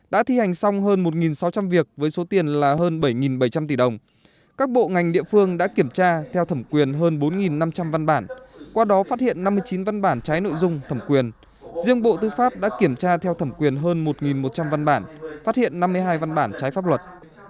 đã thi hành xong hơn một sáu trăm linh việc với số tiền là hơn bảy bảy trăm linh tỷ đồng các bộ ngành địa phương đã kiểm tra theo thẩm quyền hơn bốn năm trăm linh văn bản qua đó phát hiện năm mươi chín văn bản trái nội dung thẩm quyền riêng bộ tư pháp đã kiểm tra theo thẩm quyền hơn một một trăm linh văn bản phát hiện năm mươi hai văn bản trái pháp luật